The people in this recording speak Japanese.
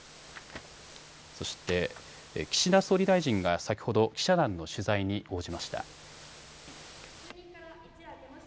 そして岸田総理大臣が先ほど記者団の取材に応じました。